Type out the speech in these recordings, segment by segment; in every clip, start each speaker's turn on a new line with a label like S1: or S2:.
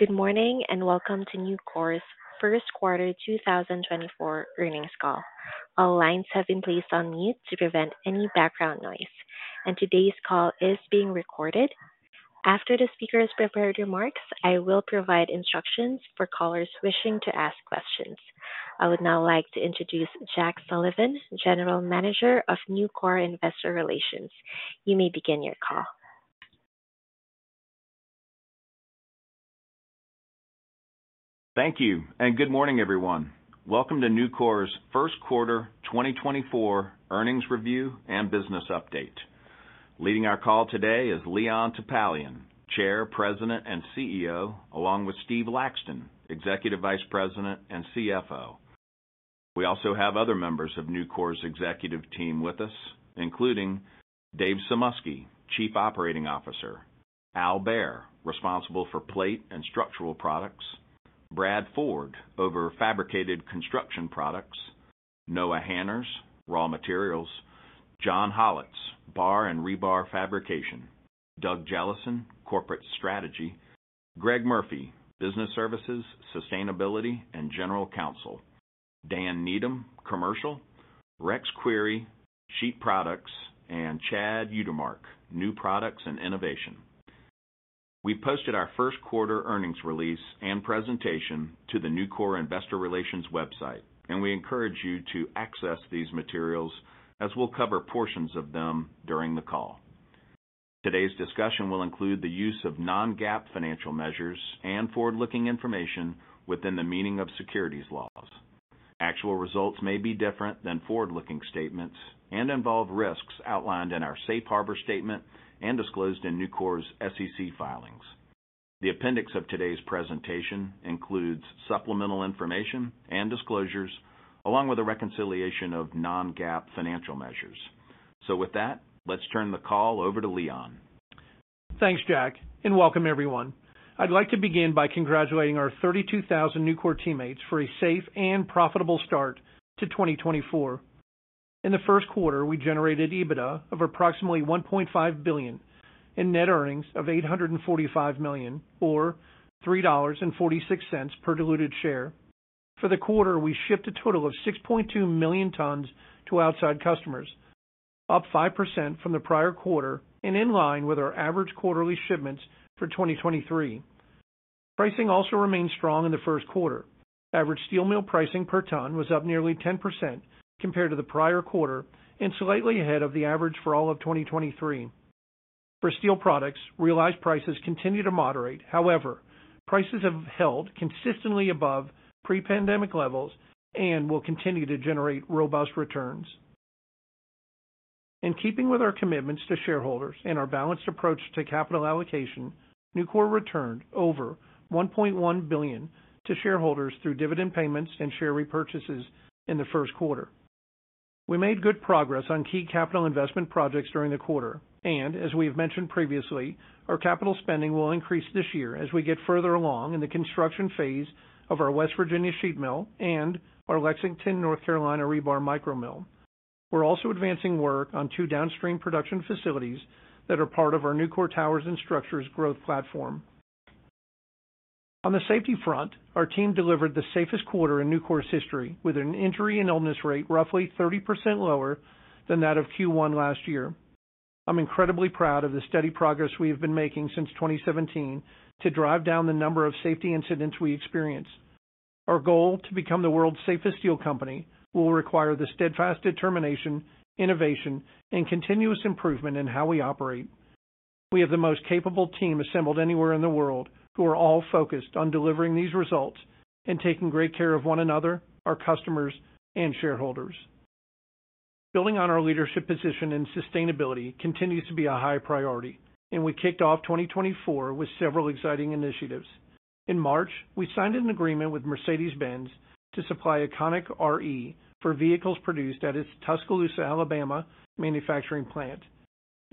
S1: Good morning and welcome to Nucor's First Quarter 2024 Earnings Call. All lines have been placed on mute to prevent any background noise, and today's call is being recorded. After the speaker has prepared remarks, I will provide instructions for callers wishing to ask questions. I would now like to introduce Jack Sullivan, General Manager of Nucor Investor Relations. You may begin your call. Thank you, and good morning, everyone. Welcome to Nucor's first quarter 2024 earnings review and business update. Leading our call today is Leon Topalian, Chair, President, and CEO, along with Steve Laxton, Executive Vice President and CFO. We also have other members of Nucor's executive team with us, including Dave Sumoski, Chief Operating Officer; Al Behr, responsible for Plate and Structural Products; Brad Ford, over Fabricated Construction Products; Noah Hanners, Raw Materials; John Hollatz, Bar and Rebar Fabrication; Doug Jellison, Corporate Strategy; Greg Murphy, Business Services, Sustainability and General Counsel; Dan Needham, Commercial; Rex Query, Sheet Products; and Chad Utermark, New Products and Innovation. We posted our first quarter earnings release and presentation to the Nucor Investor Relations website, and we encourage you to access these materials as we'll cover portions of them during the call. Today's discussion will include the use of non-GAAP financial measures and forward-looking information within the meaning of securities laws. Actual results may be different than forward-looking statements and involve risks outlined in our Safe Harbor Statement and disclosed in Nucor's SEC filings. The appendix of today's presentation includes supplemental information and disclosures, along with a reconciliation of non-GAAP financial measures. With that, let's turn the call over to Leon.
S2: Thanks, Jack, and welcome, everyone. I'd like to begin by congratulating our 32,000 Nucor teammates for a safe and profitable start to 2024. In the first quarter, we generated EBITDA of approximately $1.5 billion and net earnings of $845 million, or $3.46 per diluted share. For the quarter, we shipped a total of 6.2 million tons to outside customers, up 5% from the prior quarter and in line with our average quarterly shipments for 2023. Pricing also remained strong in the first quarter. Average Steel Mills pricing per ton was up nearly 10% compared to the prior quarter and slightly ahead of the average for all of 2023. For Steel Products, realized prices continue to moderate, however, prices have held consistently above pre-pandemic levels and will continue to generate robust returns. In keeping with our commitments to shareholders and our balanced approach to capital allocation, Nucor returned over $1.1 billion to shareholders through dividend payments and share repurchases in the first quarter. We made good progress on key capital investment projects during the quarter, and as we have mentioned previously, our capital spending will increase this year as we get further along in the construction phase of our West Virginia sheet mill and our Lexington, North Carolina rebar micro mill. We're also advancing work on two downstream production facilities that are part of our Nucor Towers and Structures growth platform. On the safety front, our team delivered the safest quarter in Nucor's history, with an injury and illness rate roughly 30% lower than that of Q1 last year. I'm incredibly proud of the steady progress we have been making since 2017 to drive down the number of safety incidents we experience. Our goal to become the world's safest steel company will require the steadfast determination, innovation, and continuous improvement in how we operate. We have the most capable team assembled anywhere in the world, who are all focused on delivering these results and taking great care of one another, our customers, and shareholders. Building on our leadership position in sustainability continues to be a high priority, and we kicked off 2024 with several exciting initiatives. In March, we signed an agreement with Mercedes-Benz to supply Econiq-RE for vehicles produced at its Tuscaloosa, Alabama, manufacturing plant.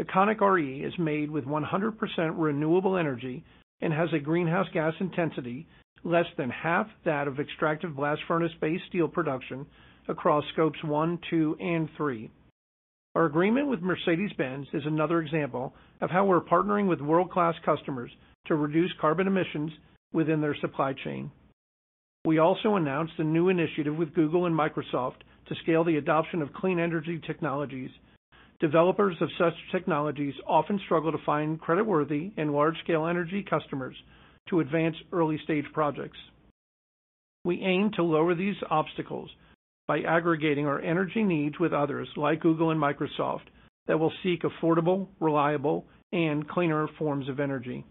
S2: Econiq-RE is made with 100% renewable energy and has a greenhouse gas intensity less than half that of extractive blast furnace-based steel production across Scopes 1, 2, and 3. Our agreement with Mercedes-Benz is another example of how we're partnering with world-class customers to reduce carbon emissions within their supply chain. We also announced a new initiative with Google and Microsoft to scale the adoption of clean energy technologies. Developers of such technologies often struggle to find creditworthy and large-scale energy customers to advance early-stage projects. We aim to lower these obstacles by aggregating our energy needs with others like Google and Microsoft that will seek affordable, reliable, and cleaner forms of energy.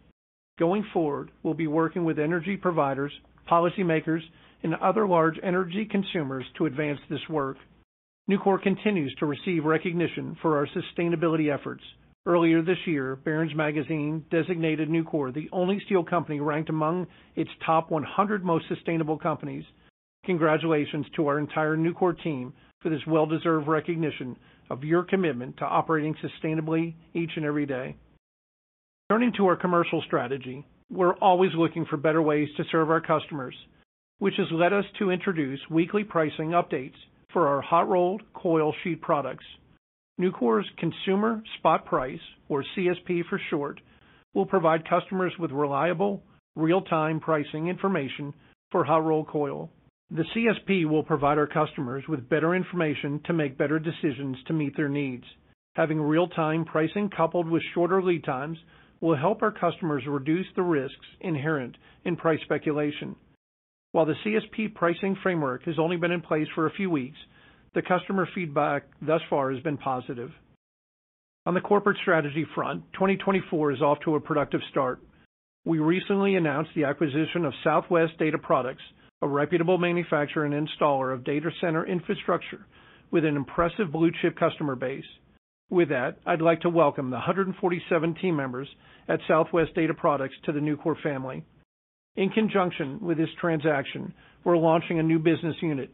S2: Going forward, we'll be working with energy providers, policymakers, and other large energy consumers to advance this work. Nucor continues to receive recognition for our sustainability efforts. Earlier this year, Barron's Magazine designated Nucor the only steel company ranked among its top 100 most sustainable companies. Congratulations to our entire Nucor team for this well-deserved recognition of your commitment to operating sustainably each and every day. Turning to our commercial strategy, we're always looking for better ways to serve our customers, which has led us to introduce weekly pricing updates for our hot-rolled coil sheet products. Nucor's Consumer Spot Price, or CSP for short, will provide customers with reliable, real-time pricing information for hot-rolled coil. The CSP will provide our customers with better information to make better decisions to meet their needs. Having real-time pricing coupled with shorter lead times will help our customers reduce the risks inherent in price speculation. While the CSP pricing framework has only been in place for a few weeks, the customer feedback thus far has been positive. On the corporate strategy front, 2024 is off to a productive start. We recently announced the acquisition of Southwest Data Products, a reputable manufacturer and installer of data center infrastructure with an impressive blue-chip customer base. With that, I'd like to welcome the 147 team members at Southwest Data Products to the Nucor family. In conjunction with this transaction, we're launching a new business unit,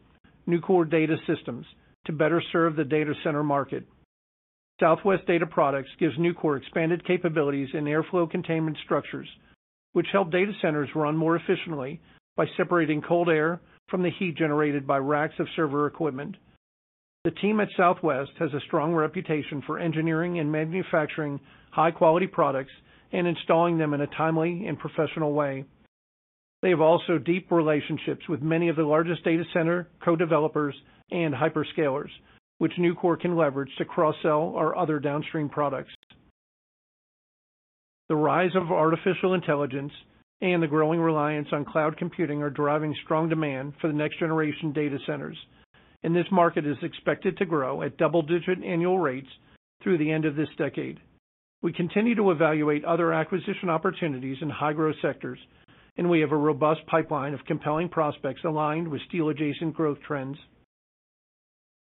S2: Nucor Data Systems, to better serve the data center market. Southwest Data Products gives Nucor expanded capabilities in airflow containment structures, which help data centers run more efficiently by separating cold air from the heat generated by racks of server equipment. The team at Southwest has a strong reputation for engineering and manufacturing high-quality products and installing them in a timely and professional way. They have also deep relationships with many of the largest data center co-developers and hyperscalers, which Nucor can leverage to cross-sell our other downstream products. The rise of artificial intelligence and the growing reliance on cloud computing are driving strong demand for the next-generation data centers, and this market is expected to grow at double-digit annual rates through the end of this decade. We continue to evaluate other acquisition opportunities in high-growth sectors, and we have a robust pipeline of compelling prospects aligned with steel-adjacent growth trends.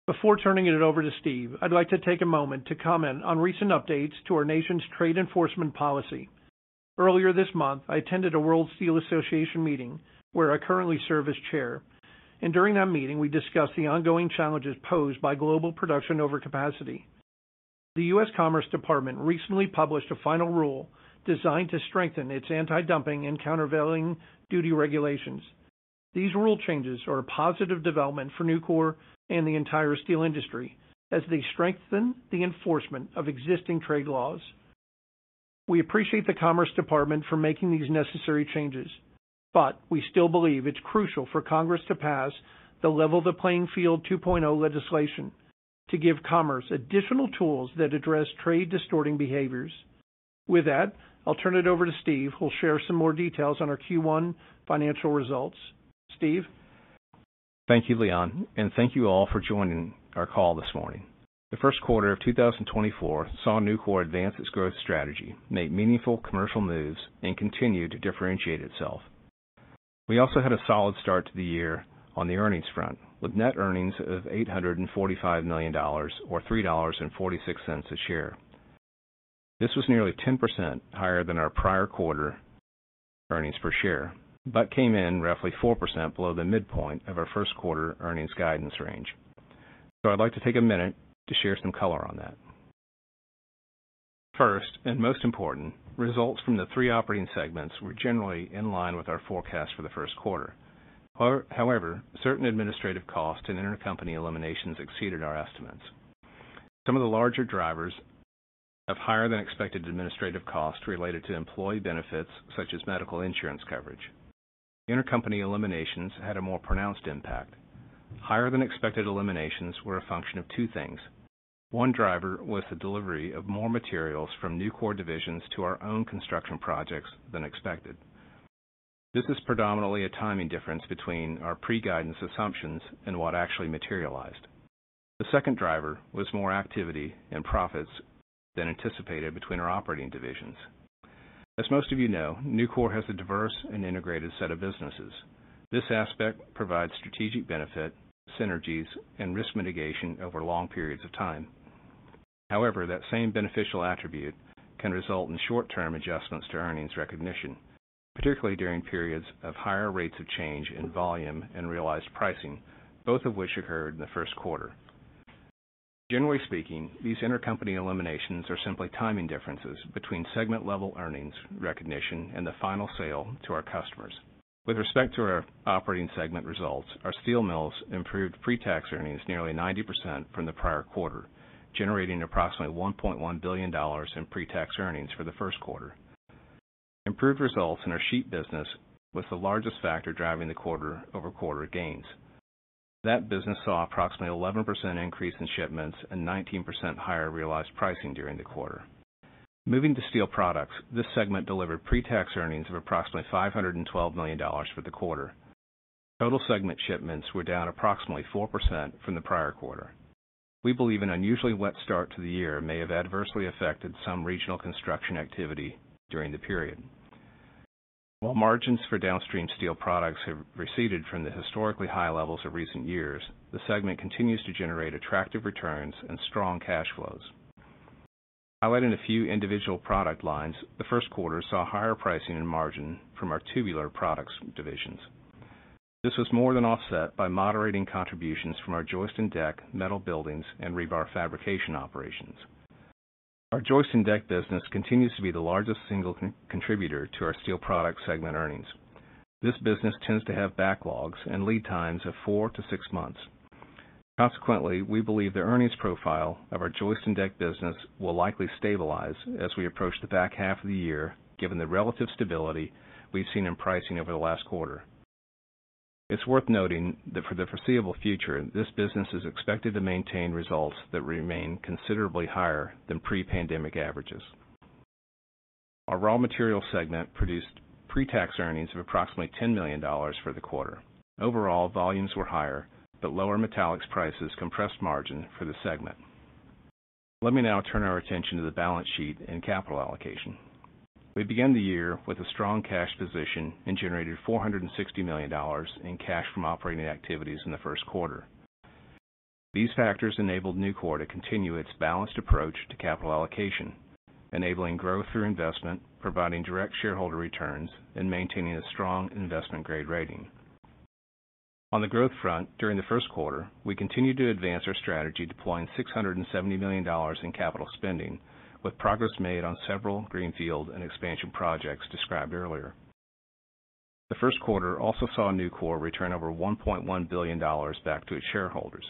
S2: Before turning it over to Steve, I'd like to take a moment to comment on recent updates to our nation's trade enforcement policy. Earlier this month, I attended a World Steel Association meeting where I currently serve as chair, and during that meeting we discussed the ongoing challenges posed by global production overcapacity. The U.S. Commerce Department recently published a final rule designed to strengthen its anti-dumping and countervailing-duty regulations. These rule changes are a positive development for Nucor and the entire steel industry, as they strengthen the enforcement of existing trade laws. We appreciate the Commerce Department for making these necessary changes, but we still believe it's crucial for Congress to pass the Leveling the Playing Field 2.0 legislation to give Commerce additional tools that address trade distorting behaviors. With that, I'll turn it over to Steve, who'll share some more details on our Q1 financial results. Steve?
S3: Thank you, Leon, and thank you all for joining our call this morning. The first quarter of 2024 saw Nucor advance its growth strategy, make meaningful commercial moves, and continue to differentiate itself. We also had a solid start to the year on the earnings front, with net earnings of $845 million, or $3.46 a share. This was nearly 10% higher than our prior quarter earnings per share, but came in roughly 4% below the midpoint of our first quarter earnings guidance range. So I'd like to take a minute to share some color on that. First, and most important, results from the three operating segments were generally in line with our forecast for the first quarter. However, certain administrative costs and intercompany eliminations exceeded our estimates. Some of the larger drivers of higher-than-expected administrative costs related to employee benefits, such as medical insurance coverage. Intercompany eliminations had a more pronounced impact. Higher-than-expected eliminations were a function of two things. One driver was the delivery of more materials from Nucor divisions to our own construction projects than expected. This is predominantly a timing difference between our pre-guidance assumptions and what actually materialized. The second driver was more activity and profits than anticipated between our operating divisions. As most of you know, Nucor has a diverse and integrated set of businesses. This aspect provides strategic benefit, synergies, and risk mitigation over long periods of time. However, that same beneficial attribute can result in short-term adjustments to earnings recognition, particularly during periods of higher rates of change in volume and realized pricing, both of which occurred in the first quarter. Generally speaking, these intercompany eliminations are simply timing differences between segment-level earnings recognition and the final sale to our customers. With respect to our operating segment results, our steel mills improved pre-tax earnings nearly 90% from the prior quarter, generating approximately $1.1 billion in pre-tax earnings for the first quarter. Improved results in our sheet business was the largest factor driving the quarter-over-quarter gains. That business saw approximately 11% increase in shipments and 19% higher realized pricing during the quarter. Moving to steel products, this segment delivered pre-tax earnings of approximately $512 million for the quarter. Total segment shipments were down approximately 4% from the prior quarter. We believe an unusually wet start to the year may have adversely affected some regional construction activity during the period. While margins for downstream steel products have receded from the historically high levels of recent years, the segment continues to generate attractive returns and strong cash flows. Highlighting a few individual product lines, the first quarter saw higher pricing and margin from our tubular products divisions. This was more than offset by moderating contributions from our joist and deck, metal buildings, and rebar fabrication operations. Our joist and deck business continues to be the largest single contributor to our steel product segment earnings. This business tends to have backlogs and lead times of four to six months. Consequently, we believe the earnings profile of our joist and deck business will likely stabilize as we approach the back half of the year, given the relative stability we've seen in pricing over the last quarter. It's worth noting that for the foreseeable future, this business is expected to maintain results that remain considerably higher than pre-pandemic averages. Our Raw Materials segment produced pre-tax earnings of approximately $10 million for the quarter. Overall, volumes were higher, but lower metallics prices compressed margin for the segment. Let me now turn our attention to the balance sheet and capital allocation. We began the year with a strong cash position and generated $460 million in cash from operating activities in the first quarter. These factors enabled Nucor to continue its balanced approach to capital allocation, enabling growth through investment, providing direct shareholder returns, and maintaining a strong investment-grade rating. On the growth front, during the first quarter, we continued to advance our strategy, deploying $670 million in capital spending, with progress made on several greenfield and expansion projects described earlier. The first quarter also saw Nucor return over $1.1 billion back to its shareholders.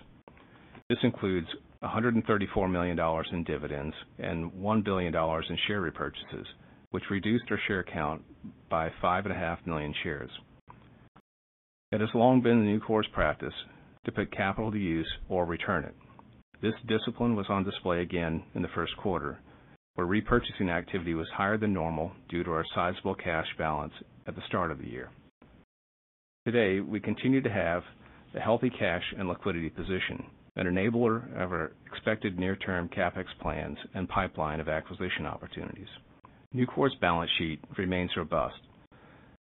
S3: This includes $134 million in dividends and $1 billion in share repurchases, which reduced our share count by 5.5 million shares. It has long been Nucor's practice to put capital to use or return it. This discipline was on display again in the first quarter, where repurchasing activity was higher than normal due to our sizable cash balance at the start of the year. Today, we continue to have a healthy cash and liquidity position, an enabler of our expected near-term CapEx plans and pipeline of acquisition opportunities. Nucor's balance sheet remains robust,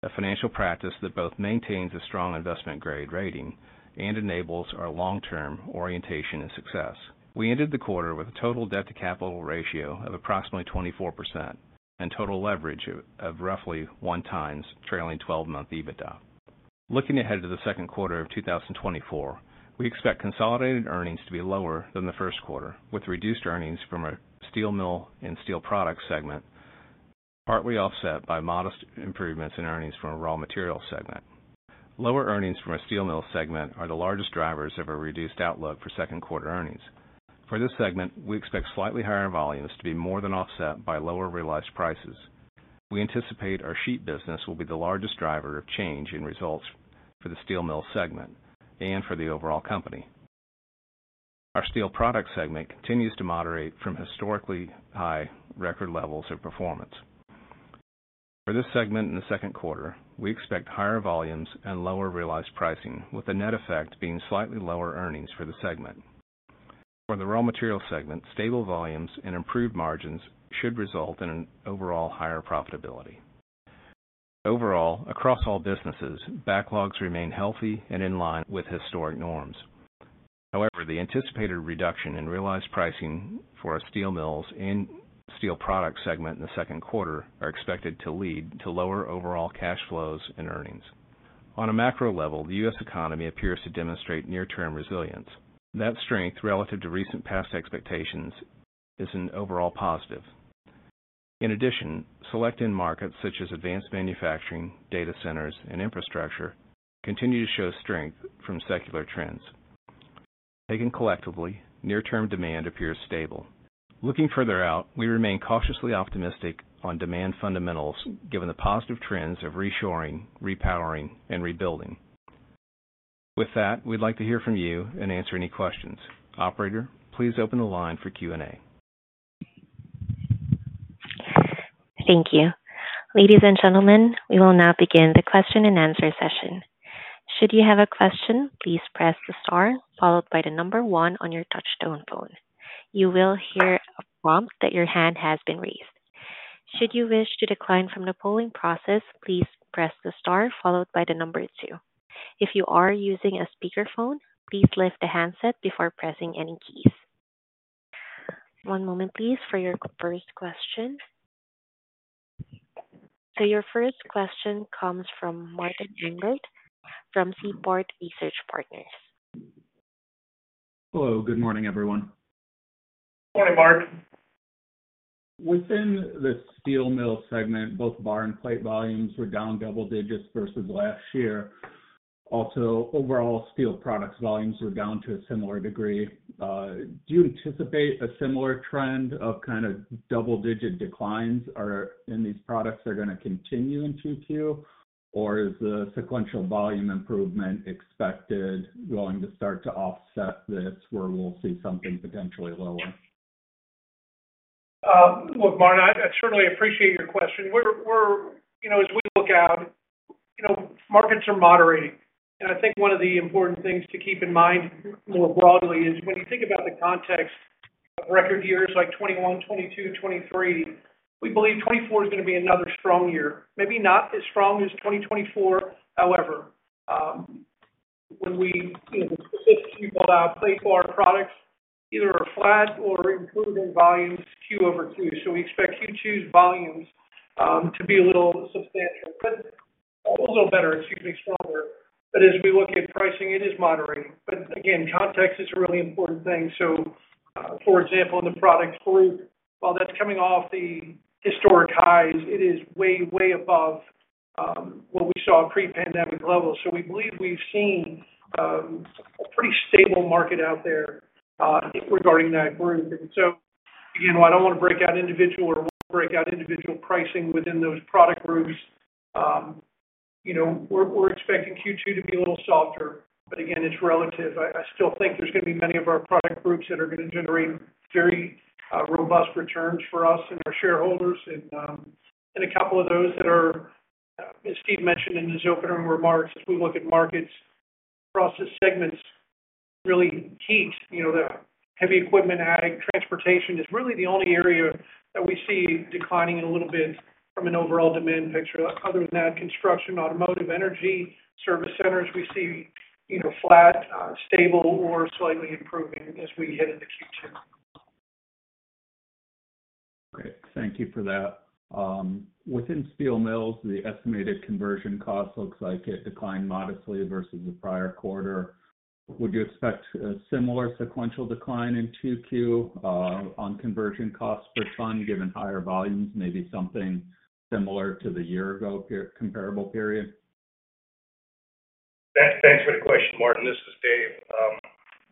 S3: a financial practice that both maintains a strong investment-grade rating and enables our long-term orientation and success. We ended the quarter with a total debt-to-capital ratio of approximately 24% and total leverage of roughly 1x trailing 12-month EBITDA. Looking ahead to the second quarter of 2024, we expect consolidated earnings to be lower than the first quarter, with reduced earnings from our steel mill and steel products segment, partly offset by modest improvements in earnings from our Raw Materials segment. Lower earnings from our steel mill segment are the largest drivers of our reduced outlook for second-quarter earnings. For this segment, we expect slightly higher volumes to be more than offset by lower realized prices. We anticipate our sheet business will be the largest driver of change in results for the steel mill segment and for the overall company. Our steel products segment continues to moderate from historically high record levels of performance. For this segment in the second quarter, we expect higher volumes and lower realized pricing, with the net effect being slightly lower earnings for the segment. For the Raw Materials segment, stable volumes and improved margins should result in an overall higher profitability. Overall, across all businesses, backlogs remain healthy and in line with historic norms. However, the anticipated reduction in realized pricing for our steel mills and steel products segment in the second quarter are expected to lead to lower overall cash flows and earnings. On a macro level, the U.S. economy appears to demonstrate near-term resilience. That strength, relative to recent past expectations, is an overall positive. In addition, select end markets such as advanced manufacturing, data centers, and infrastructure continue to show strength from secular trends. Taken collectively, near-term demand appears stable. Looking further out, we remain cautiously optimistic on demand fundamentals, given the positive trends of reshoring, repowering, and rebuilding. With that, we'd like to hear from you and answer any questions. Operator, please open the line for Q&A.
S4: Thank you. Ladies and gentlemen, we will now begin the question-and-answer session. Should you have a question, please press the star followed by the number one on your touch-tone phone. You will hear a prompt that your hand has been raised. Should you wish to decline from the polling process, please press the star followed by the number two. If you are using a speakerphone, please lift the handset before pressing any keys. One moment, please, for your first question. So your first question comes from Martin Englert from Seaport Research Partners.
S5: Hello. Good morning, everyone.
S2: Morning, Mark.
S5: Within the steel mill segment, both bar and plate volumes were down double digits versus last year. Also, overall steel products volumes were down to a similar degree. Do you anticipate a similar trend of kind of double-digit declines in these products that are going to continue in Q2, or is the sequential volume improvement expected going to start to offset this where we'll see something potentially lower?
S2: Look, Martin, I certainly appreciate your question. As we look out, markets are moderating, and I think one of the important things to keep in mind more broadly is when you think about the context of record years like 2021, 2022, 2023, we believe 2024 is going to be another strong year, maybe not as strong as 2024. However, when we look at the specifics we pulled out, plate bar products either are flat or improving volumes QoQ. So we expect Q2's volumes to be a little substantial, a little better, excuse me, stronger. But as we look at pricing, it is moderating. But again, context is a really important thing. So for example, in the products group, while that's coming off the historic highs, it is way, way above what we saw at pre-pandemic levels. So we believe we've seen a pretty stable market out there regarding that group. And so again, I don't want to break out individual pricing within those product groups. We're expecting Q2 to be a little softer, but again, it's relative. I still think there's going to be many of our product groups that are going to generate very robust returns for us and our shareholders. And a couple of those that are as Steve mentioned in his opening remarks, as we look at markets across the segments, really peaks. The heavy equipment, ag, transportation is really the only area that we see declining a little bit from an overall demand picture. Other than that, construction, automotive, energy, service centers, we see flat, stable, or slightly improving as we head into Q2.
S5: Great. Thank you for that. Within steel mills, the estimated conversion cost looks like it declined modestly versus the prior quarter. Would you expect a similar sequential decline in Q2 on conversion costs per ton, given higher volumes, maybe something similar to the year-ago comparable period?
S6: Thanks for the question, Martin. This is Dave.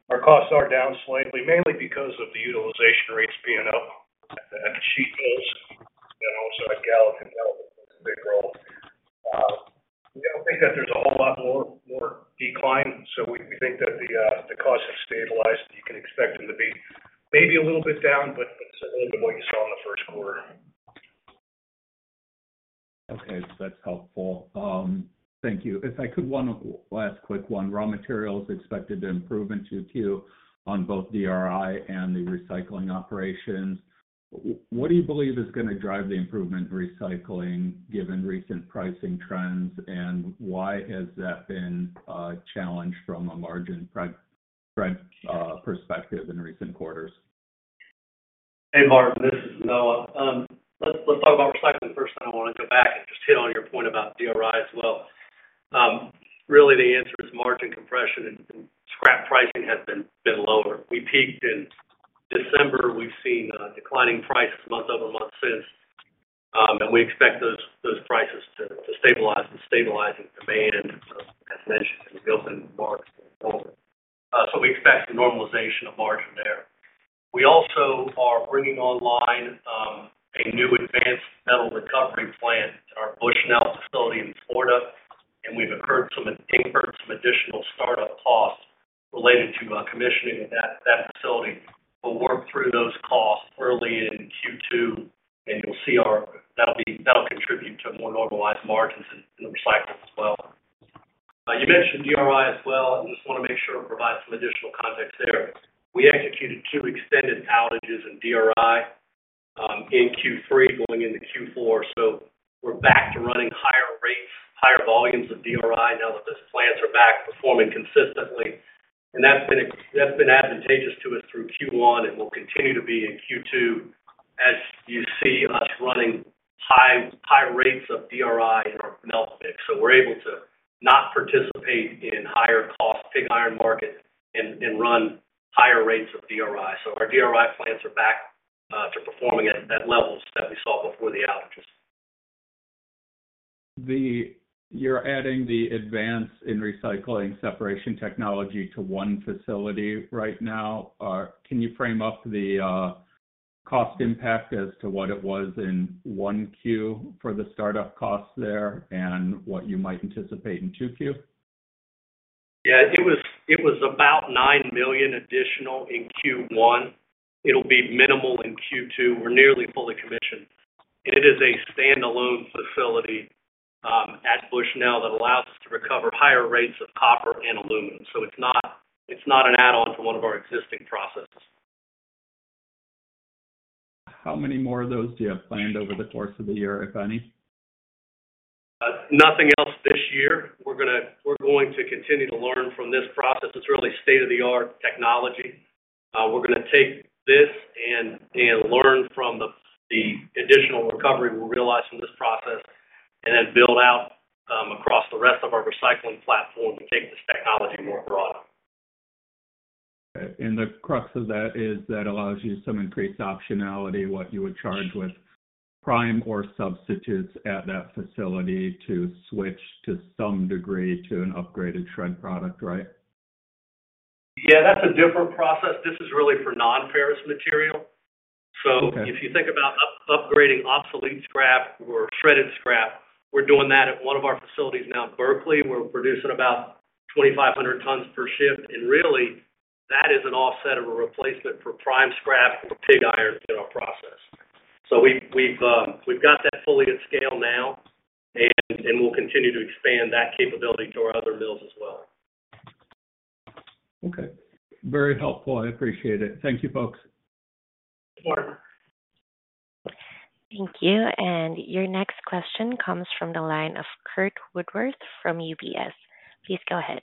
S6: Our costs are down slightly, mainly because of the utilization rates being up at sheet mills and also at Galvalume. And Galvalume plays a big role. We don't think that there's a whole lot more decline. So we think that the costs have stabilized, and you can expect them to be maybe a little bit down, but certainly than what you saw in the first quarter.
S5: Okay. That's helpful. Thank you. If I could one last quick one. Raw Materials expected to improve in Q2 on both DRI and the recycling operations. What do you believe is going to drive the improvement in recycling, given recent pricing trends, and why has that been a challenge from a margin perspective in recent quarters?
S7: Hey, Martin. This is Noah. Let's talk about recycling first, and I want to go back and just hit on your point about DRI as well. Really, the answer is margin compression, and scrap pricing has been lower. We peaked in December. We've seen declining prices month-over-month since, and we expect those prices to stabilize and stabilizing demand, as mentioned in the open remarks going forward. So we expect some normalization of margin there. We also are bringing online a new advanced metal recovery plant at our Bushnell facility in Florida, and we've incurred some additional startup costs related to commissioning of that facility. We'll work through those costs early in Q2, and you'll see that'll contribute to more normalized margins in the recycling as well. You mentioned DRI as well. I just want to make sure I provide some additional context there. We executed two extended outages in DRI in Q3, going into Q4. So we're back to running higher rates, higher volumes of DRI now that those plants are back performing consistently. That's been advantageous to us through Q1, and will continue to be in Q2 as you see us running high rates of DRI in our melt shop. So we're able to not participate in higher-cost pig iron market and run higher rates of DRI. So our DRI plants are back to performing at levels that we saw before the outages.
S5: You're adding the advance in recycling separation technology to one facility right now. Can you frame up the cost impact as to what it was in 1Q for the startup costs there and what you might anticipate in 2Q?
S7: Yeah. It was about $9 million additional in Q1. It'll be minimal in Q2. We're nearly fully commissioned. And it is a standalone facility at Bushnell that allows us to recover higher rates of copper and aluminum. So it's not an add-on to one of our existing processes.
S5: How many more of those do you have planned over the course of the year, if any?
S7: Nothing else this year. We're going to continue to learn from this process. It's really state-of-the-art technology. We're going to take this and learn from the additional recovery we'll realize from this process and then build out across the rest of our recycling platform to take this technology more broadly.
S5: The crux of that is that allows you some increased optionality, what you would charge with prime or substitutes at that facility to switch to some degree to an upgraded shred product, right?
S7: Yeah. That's a different process. This is really for non-ferrous material. So if you think about upgrading obsolete scrap or shredded scrap, we're doing that at one of our facilities now in Berkeley. We're producing about 2,500 tons per shift. And really, that is an offset of a replacement for prime scrap or pig iron in our process. So we've got that fully at scale now, and we'll continue to expand that capability to our other mills as well.
S5: Okay. Very helpful. I appreciate it. Thank you, folks.
S4: Thank you. And your next question comes from the line of Curt Woodworth from UBS. Please go ahead.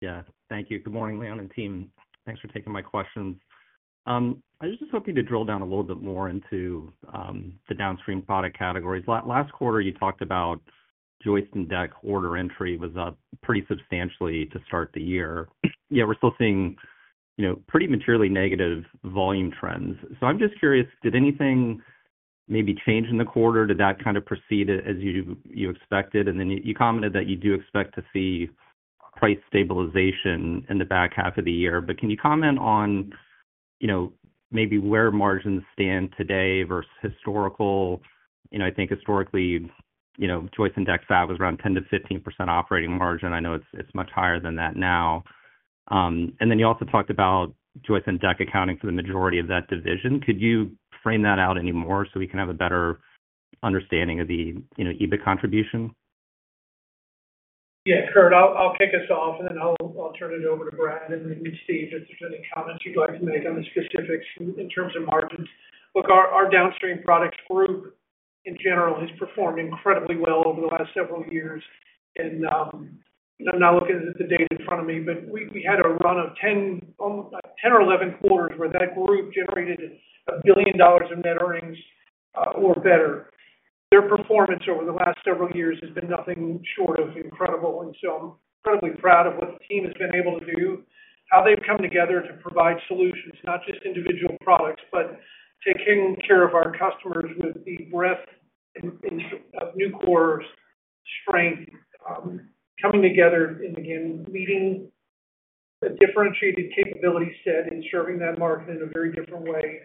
S8: Yeah. Thank you. Good morning, Leon, and team. Thanks for taking my questions. I was just hoping to drill down a little bit more into the downstream product categories. Last quarter, you talked about joist and deck order entry was up pretty substantially to start the year. Yeah, we're still seeing pretty materially negative volume trends. So I'm just curious, did anything maybe change in the quarter? Did that kind of proceed as you expected? And then you commented that you do expect to see price stabilization in the back half of the year. But can you comment on maybe where margins stand today versus historical? I think historically, joist and deck fab was around 10%-15% operating margin. I know it's much higher than that now. And then you also talked about joist and deck accounting for the majority of that division. Could you frame that out any more so we can have a better understanding of the EBIT contribution?
S2: Yeah. Curt, I'll kick us off, and then I'll turn it over to Brad and then Steve, if there's any comments you'd like to make on the specifics in terms of margins. Look, our downstream products group, in general, has performed incredibly well over the last several years. I'm not looking at the date in front of me, but we had a run of 10 or 11 quarters where that group generated $1 billion of net earnings or better. Their performance over the last several years has been nothing short of incredible. So I'm incredibly proud of what the team has been able to do, how they've come together to provide solutions, not just individual products, but taking care of our customers with the breadth of Nucor's strength, coming together and, again, meeting a differentiated capability set and serving that market in a very different way.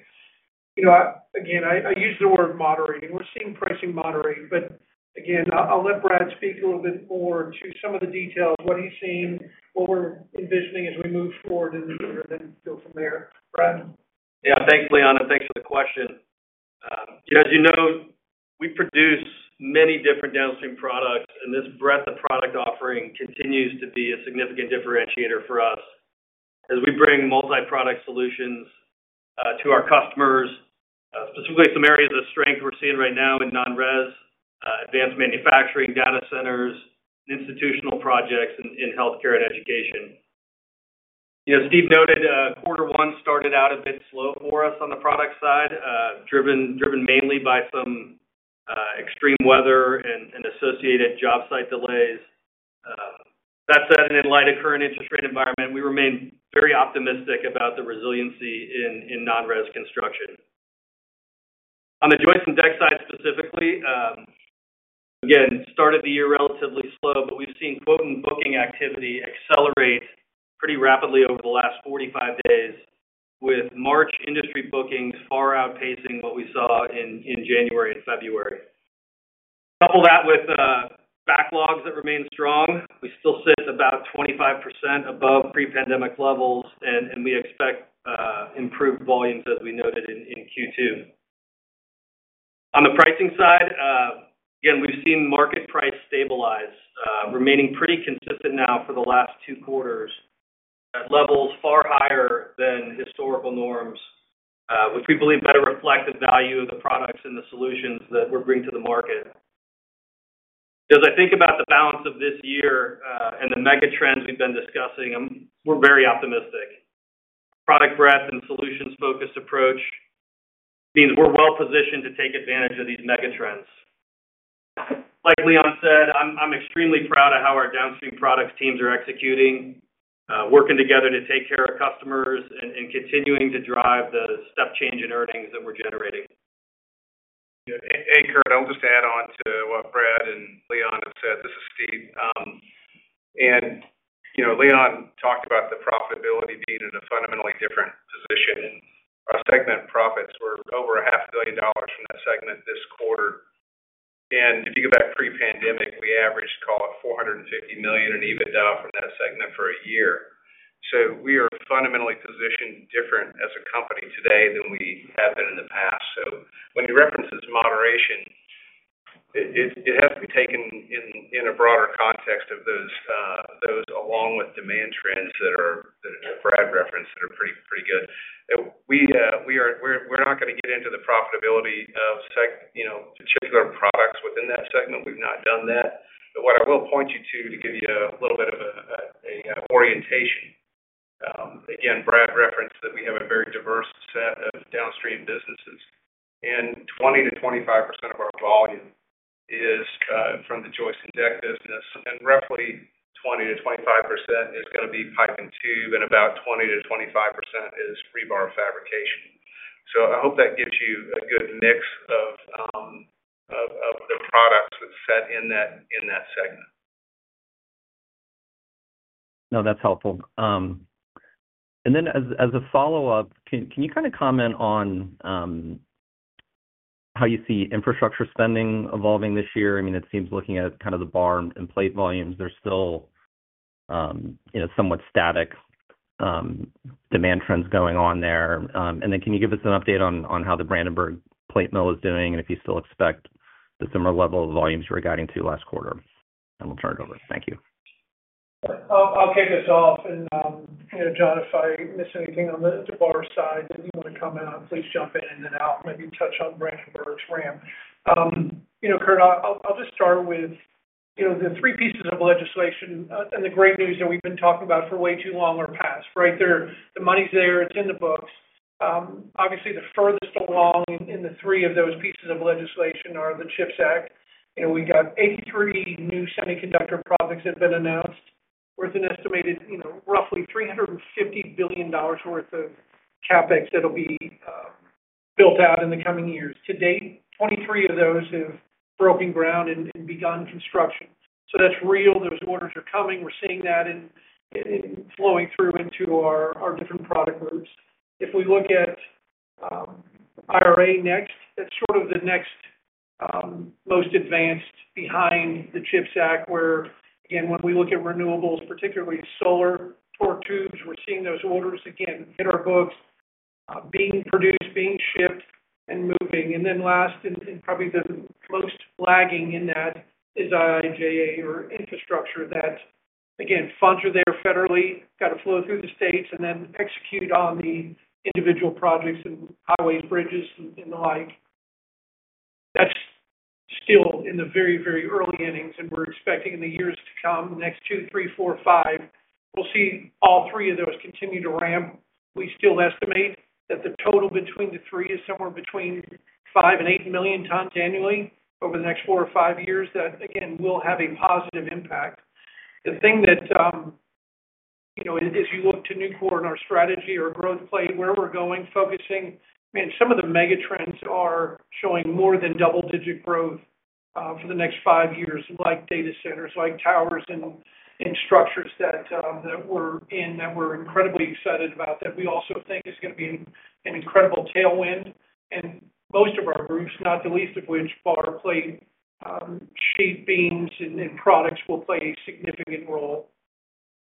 S2: Again, I use the word moderating. We're seeing pricing moderate. But again, I'll let Brad speak a little bit more to some of the details, what he's seeing, what we're envisioning as we move forward in the year, and then go from there. Brad?
S9: Yeah. Thanks, Leon. Thanks for the question. As you know, we produce many different downstream products, and this breadth of product offering continues to be a significant differentiator for us as we bring multi-product solutions to our customers, specifically some areas of strength we're seeing right now in non-res, advanced manufacturing, data centers, and institutional projects in healthcare and education. Steve noted quarter one started out a bit slow for us on the product side, driven mainly by some extreme weather and associated job site delays. That said, and in light of current interest rate environment, we remain very optimistic about the resiliency in non-res construction. On the joists and deck side specifically, again, started the year relatively slow, but we've seen quote and booking activity accelerate pretty rapidly over the last 45 days, with March industry bookings far outpacing what we saw in January and February. Couple that with backlogs that remain strong. We still sit about 25% above pre-pandemic levels, and we expect improved volumes, as we noted, in Q2. On the pricing side, again, we've seen market price stabilize, remaining pretty consistent now for the last two quarters, at levels far higher than historical norms, which we believe better reflect the value of the products and the solutions that we're bringing to the market. As I think about the balance of this year and the mega trends we've been discussing, we're very optimistic. Product breadth and solutions-focused approach means we're well positioned to take advantage of these mega trends. Like Leon said, I'm extremely proud of how our downstream products teams are executing, working together to take care of customers, and continuing to drive the step change in earnings that we're generating.
S3: Hey, Curt. I'll just add on to what Brad and Leon have said. This is Steve. Leon talked about the profitability being in a fundamentally different position. Our segment profits were over $500 million from that segment this quarter. If you go back pre-pandemic, we averaged, call it, $450 million in EBITDA from that segment for a year. So we are fundamentally positioned different as a company today than we have been in the past. So when he references moderation, it has to be taken in a broader context of those along with demand trends that Brad referenced that are pretty good. We're not going to get into the profitability of particular products within that segment. We've not done that. But what I will point you to to give you a little bit of an orientation. Again, Brad referenced that we have a very diverse set of downstream businesses. 20%-25% of our volume is from the joist and deck business. Roughly 20%-25% is going to be pipe and tube, and about 20%-25% is rebar fabrication. I hope that gives you a good mix of the products that's set in that segment.
S8: No, that's helpful. And then as a follow-up, can you kind of comment on how you see infrastructure spending evolving this year? I mean, it seems looking at kind of the bar and plate volumes, there's still somewhat static demand trends going on there. And then can you give us an update on how the Brandenburg Plate Mill is doing and if you still expect the similar level of volumes you were guiding to last quarter? And we'll turn it over. Thank you.
S2: I'll kick us off. And John, if I miss anything on the bar side that you want to comment on, please jump in and then I'll maybe touch on Brandenburg's ramp. Curt, I'll just start with the three pieces of legislation and the great news that we've been talking about for way too long are past, right? The money's there. It's in the books. Obviously, the furthest along in the three of those pieces of legislation are the CHIPS Act. We've got 83 new semiconductor products that have been announced worth an estimated roughly $350 billion worth of CapEx that'll be built out in the coming years. To date, 23 of those have broken ground and begun construction. So that's real. Those orders are coming. We're seeing that flowing through into our different product groups. If we look at IRA next, that's sort of the next most advanced behind the CHIPS Act where, again, when we look at renewables, particularly solar, torque tubes, we're seeing those orders, again, hit our books, being produced, being shipped, and moving. Then last and probably the most lagging in that is IIJA or infrastructure that, again, funds are there federally, got to flow through the states, and then execute on the individual projects and highways, bridges, and the like. That's still in the very, very early innings, and we're expecting in the years to come, the next two, three, four, five, we'll see all three of those continue to ramp. We still estimate that the total between the three is somewhere between 5 and 8 million tons annually over the next four or five years that, again, will have a positive impact. The thing that, as you look to Nucor and our strategy or growth play, where we're going, focusing, man, some of the mega trends are showing more than double-digit growth for the next five years, like data centers, like towers and structures that we're in that we're incredibly excited about that we also think is going to be an incredible tailwind. And most of our groups, not the least of which, bar, plate, sheet, beams, and products will play a significant role.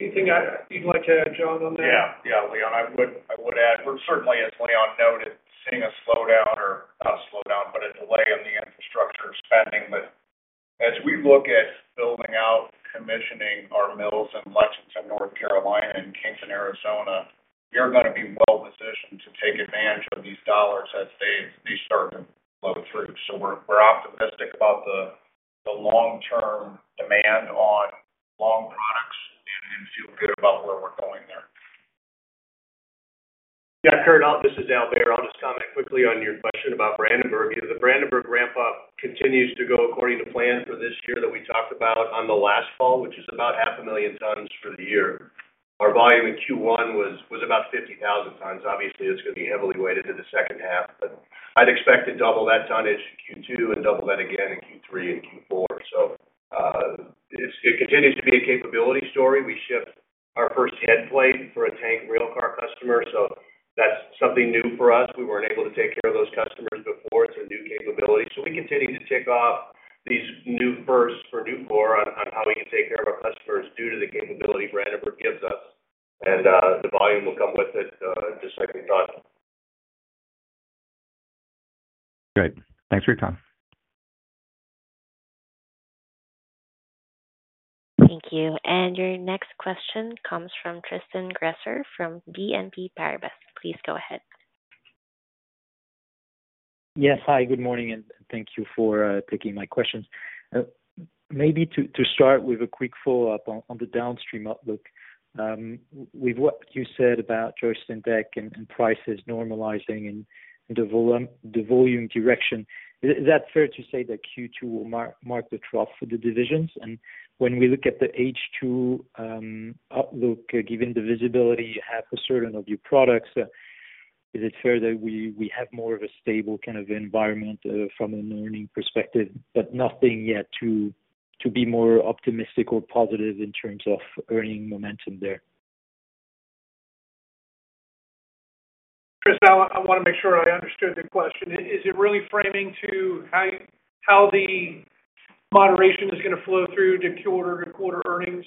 S2: Anything you'd like to add, John, on that?
S10: Yeah. Yeah, Leon, I would add. Certainly, as Leon noted, seeing a slowdown or not a slowdown, but a delay in the infrastructure spending. But as we look at building out, commissioning our mills in Lexington, North Carolina, and Kingman, Arizona, we are going to be well positioned to take advantage of these dollars as they start to flow through. So we're optimistic about the long-term demand on long products and feel good about where we're going there.
S11: Yeah. Curt, this is Al Behr. I'll just comment quickly on your question about Brandenburg. The Brandenburg ramp-up continues to go according to plan for this year that we talked about on the last call, which is about 500,000 tons for the year. Our volume in Q1 was about 50,000 tons. Obviously, it's going to be heavily weighted to the second half, but I'd expect to double that tonnage in Q2 and double that again in Q3 and Q4. So it continues to be a capability story. We shipped our first head plate for a tank railcar customer, so that's something new for us. We weren't able to take care of those customers before. It's a new capability. We continue to tick off these new firsts for Nucor on how we can take care of our customers due to the capability Brandenburg gives us, and the volume will come with it, just like we thought.
S8: Great. Thanks for your time.
S4: Thank you. And your next question comes from Tristan Gresser from BNP Paribas. Please go ahead.
S12: Yes. Hi. Good morning, and thank you for taking my questions. Maybe to start with a quick follow-up on the downstream outlook. With what you said about joists and deck and prices normalizing in the volume direction, is that fair to say that Q2 will mark the trough for the divisions? And when we look at the H2 outlook, given the visibility you have for certain of your products, is it fair that we have more of a stable kind of environment from an earnings perspective, but nothing yet to be more optimistic or positive in terms of earnings momentum there?
S2: Tristan, I want to make sure I understood the question. Is it really framing to how the moderation is going to flow through to quarter-to-quarter earnings?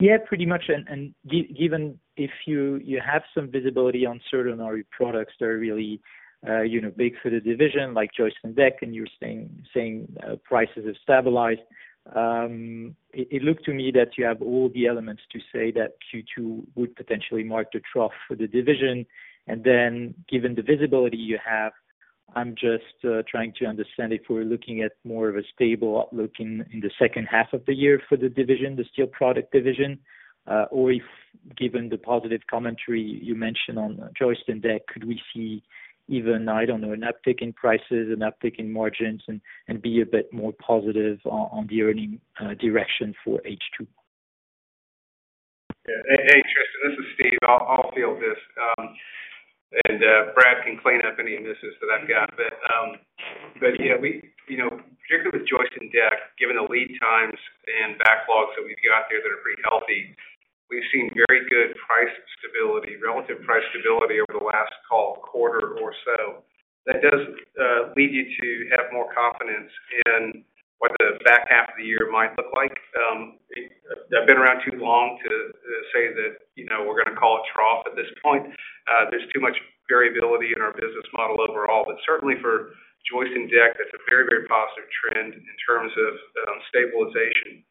S12: Yeah, pretty much. And if you have some visibility on certain of your products that are really big for the division, like joists and deck, and you're saying prices have stabilized, it looked to me that you have all the elements to say that Q2 would potentially mark the trough for the division. And then given the visibility you have, I'm just trying to understand if we're looking at more of a stable outlook in the second half of the year for the division, the steel product division, or if given the positive commentary you mentioned on joists and deck, could we see even, I don't know, an uptick in prices, an uptick in margins, and be a bit more positive on the earning direction for H2?
S3: Hey, Tristan. This is Steve. I'll field this. And Brad can clean up any misses that I've got. But yeah, particularly with joist and deck, given the lead times and backlogs that we've got there that are pretty healthy, we've seen very good price stability, relative price stability over the last, call it, quarter or so. That does lead you to have more confidence in what the back half of the year might look like. I've been around too long to say that we're going to call it trough at this point. There's too much variability in our business model overall. But certainly for joist and deck, that's a very, very positive trend in terms of stabilization.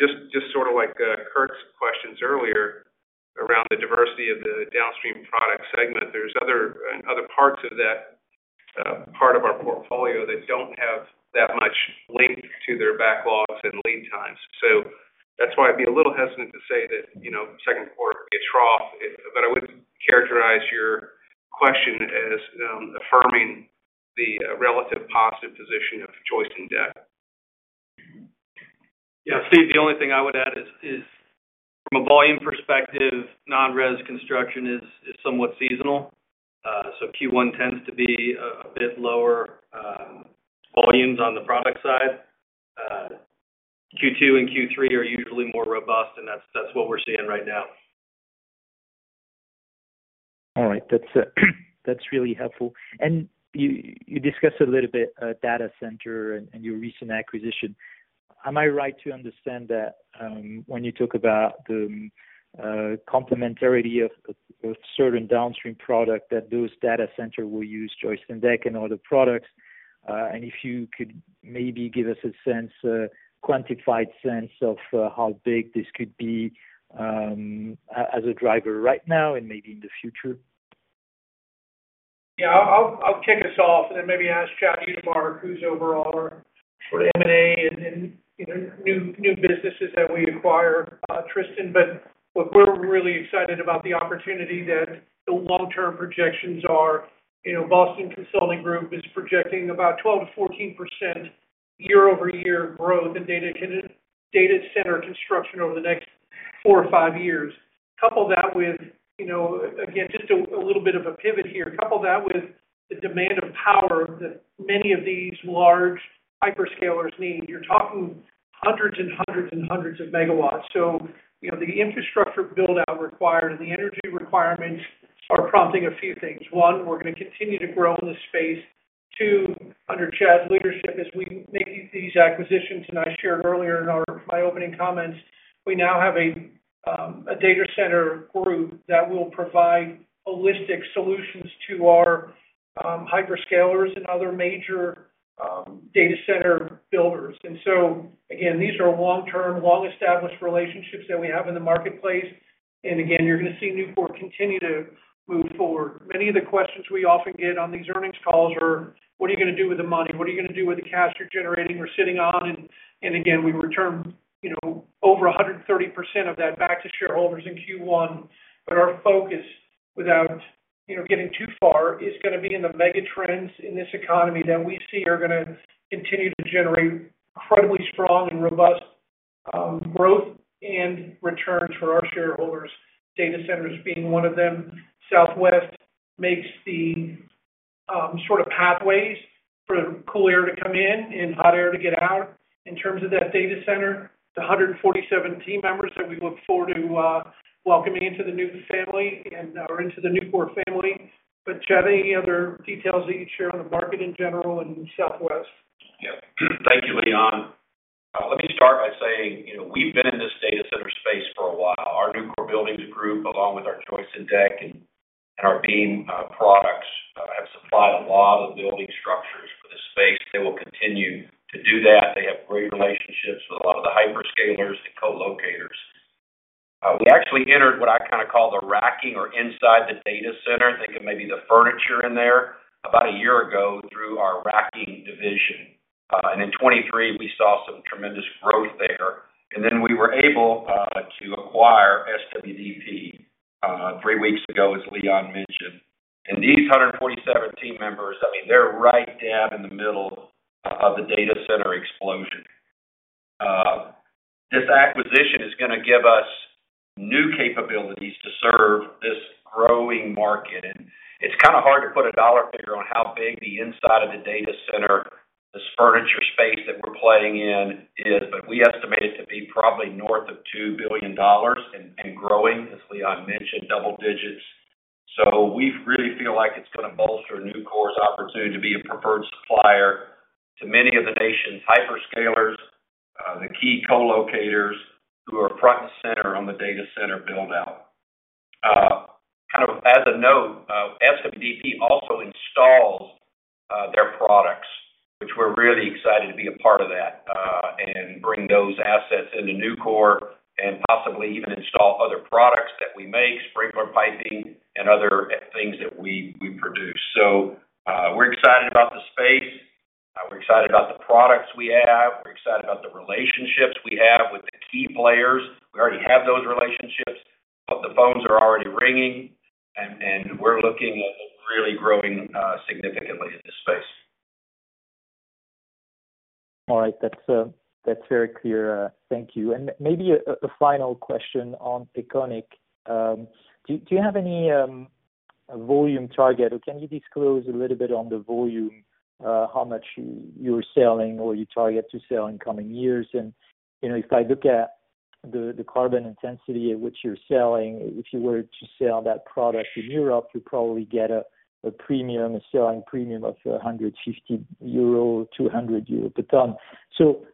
S3: Just sort of like Curt's questions earlier around the diversity of the downstream product segment, there's other parts of that part of our portfolio that don't have that much link to their backlogs and lead times. So that's why I'd be a little hesitant to say that second quarter could be a trough. But I would characterize your question as affirming the relative positive position of joists and deck. Yeah. Steve, the only thing I would add is from a volume perspective, non-res construction is somewhat seasonal. So Q1 tends to be a bit lower volumes on the product side. Q2 and Q3 are usually more robust, and that's what we're seeing right now.
S12: All right. That's really helpful. And you discussed a little bit data center and your recent acquisition. Am I right to understand that when you talk about the complementarity of certain downstream products, that those data center will use joists and deck and other products? And if you could maybe give us a quantified sense of how big this could be as a driver right now and maybe in the future?
S2: Yeah. I'll kick us off and then maybe ask Chad Utermark, who's over our M&A and new businesses that we acquire, Tristan. But look, we're really excited about the opportunity that the long-term projections are. Boston Consulting Group is projecting about 12%-14% year-over-year growth in data center construction over the next four or five years. Couple that with, again, just a little bit of a pivot here, couple that with the demand of power that many of these large hyperscalers need. You're talking hundreds and hundreds and hundreds of megawatts. So the infrastructure buildout required and the energy requirements are prompting a few things. One, we're going to continue to grow in this space. Two, under Chad's leadership, as we make these acquisitions, and I shared earlier in my opening comments, we now have a data center group that will provide holistic solutions to our hyperscalers and other major data center builders. And so again, these are long-term, long-established relationships that we have in the marketplace. And again, you're going to see Nucor continue to move forward. Many of the questions we often get on these earnings calls are, "What are you going to do with the money? What are you going to do with the cash you're generating?" We're sitting on, and again, we return over 130% of that back to shareholders in Q1. But our focus, without getting too far, is going to be in the mega trends in this economy that we see are going to continue to generate incredibly strong and robust growth and returns for our shareholders, data centers being one of them. Southwest makes the sort of pathways for cool air to come in and hot air to get out. In terms of that data center, the 147 team members that we look forward to welcoming into the new family or into the Nucor family. But Chad, any other details that you'd share on the market in general in Southwest?
S13: Yeah. Thank you, Leon. Let me start by saying we've been in this data center space for a while. Our Nucor Buildings Group, along with our joist and deck and our beam products, have supplied a lot of building structures for this space. They will continue to do that. They have great relationships with a lot of the hyperscalers and colocators. We actually entered what I kind of call the racking or inside the data center, thinking maybe the furniture in there, about a year ago through our racking division. And in 2023, we saw some tremendous growth there. And then we were able to acquire SWDP three weeks ago, as Leon mentioned. And these 147 team members, I mean, they're right dab in the middle of the data center explosion. This acquisition is going to give us new capabilities to serve this growing market. It's kind of hard to put a dollar figure on how big the inside of the data center, this furniture space that we're playing in, is. We estimate it to be probably north of $2 billion and growing, as Leon mentioned, double digits. We really feel like it's going to bolster Nucor's opportunity to be a preferred supplier to many of the nation's hyperscalers, the key colocators who are front and center on the data center buildout. Kind of as a note, SWDP also installs their products, which we're really excited to be a part of that and bring those assets into Nucor and possibly even install other products that we make, sprinkler piping, and other things that we produce. We're excited about the space. We're excited about the products we have. We're excited about the relationships we have with the key players. We already have those relationships. The phones are already ringing, and we're looking at really growing significantly in this space.
S12: All right. That's very clear. Thank you. Maybe a final question on Econiq. Do you have any volume target, or can you disclose a little bit on the volume, how much you're selling or you target to sell in coming years? And if I look at the carbon intensity at which you're selling, if you were to sell that product in Europe, you'd probably get a selling premium of 150-200 euro per ton. So.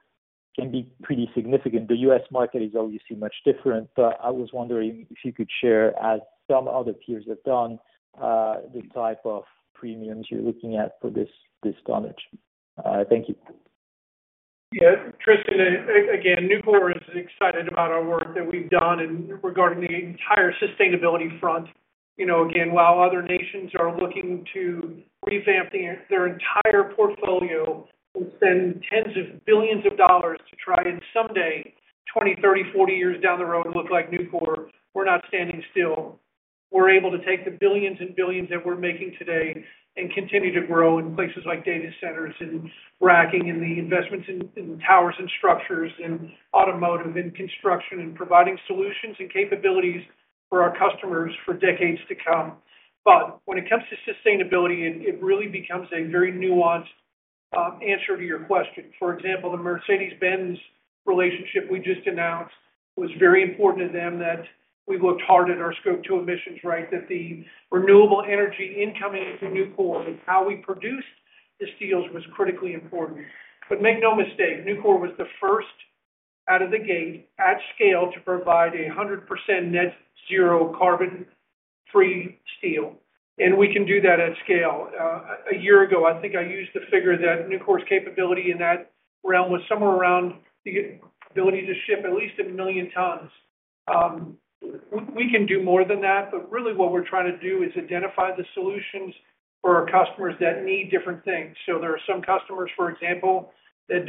S12: Can be pretty significant. The U.S. market is obviously much different, but I was wondering if you could share, as some other peers have done, the type of premiums you're looking at for this tonnage. Thank you.
S2: Yeah. Tristan, again, Nucor is excited about our work that we've done regarding the entire sustainability front. Again, while other nations are looking to revamp their entire portfolio and spend tens of billions of dollars to try and someday, 20, 30, 40 years down the road, look like Nucor, we're not standing still. We're able to take the billions and billions that we're making today and continue to grow in places like data centers and racking and the investments in towers and structures and automotive and construction and providing solutions and capabilities for our customers for decades to come. But when it comes to sustainability, it really becomes a very nuanced answer to your question. For example, the Mercedes-Benz relationship we just announced was very important to them that we looked hard at our Scope 2 emissions, right, that the renewable energy incoming to Nucor and how we produced the steels was critically important. But make no mistake, Nucor was the first out of the gate at scale to provide a 100% net-zero carbon-free steel. We can do that at scale. A year ago, I think I used the figure that Nucor's capability in that realm was somewhere around the ability to ship at least 1 million tons. We can do more than that. But really, what we're trying to do is identify the solutions for our customers that need different things. So there are some customers, for example, that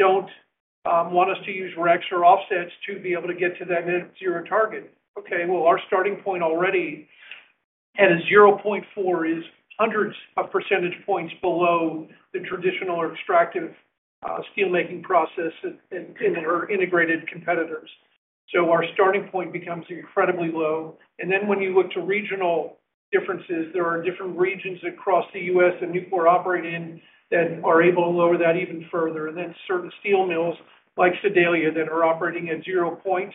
S2: don't want us to use RECs or offsets to be able to get to that net-zero target. Okay. Well, our starting point already at a 0.4 is hundreds of percentage points below the traditional or extractive steelmaking process in our integrated competitors. So our starting point becomes incredibly low. Then when you look to regional differences, there are different regions across the U.S. that Nucor operate in that are able to lower that even further. Then certain steel mills like Sedalia that are operating at 0.09